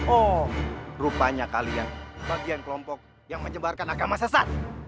oh rupanya kalian bagian kelompok yang menyebarkan agama sesat